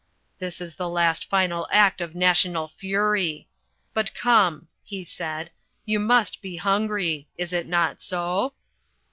That is the last final act of national fury. But come," he said, "you must be hungry. Is it not so?"